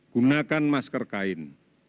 gunakan masker kain